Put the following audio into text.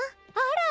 あら！